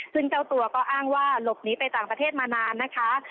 ซึ่งเจ้าตัวก็อ้างว่าหลบหนีไปต่างประเทศมานานนะคะ